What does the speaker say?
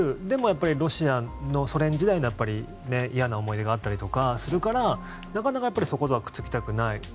でも、ロシアのソ連時代の嫌な思い出があったりとかするからなかなかそことはくっつきたくない。